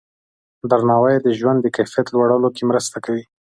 درناوی د ژوند د کیفیت لوړولو کې مرسته کوي.